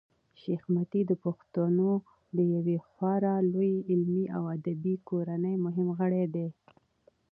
شېخ متي د پښتنو د یوې خورا لويي علمي او ادبي کورنۍمهم غړی دﺉ.